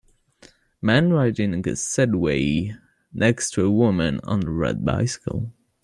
Man riding a Segway next to a woman on a red bicycle.